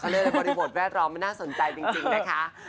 เขาเล่นบริโภคแวดร้องไม่น่าสนใจจริงนะคะ